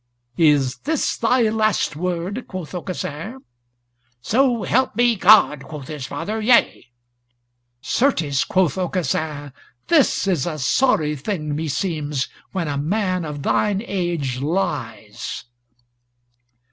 "Is this thy last word?" quoth Aucassin. "So help me God," quoth his father, "yea!" "Certes," quoth Aucassin, "this is a sorry thing meseems, when a man of thine age lies!"